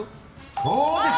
そうです！